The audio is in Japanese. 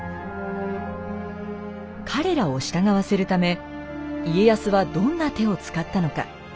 彼らを従わせるため家康はどんな手を使ったのか。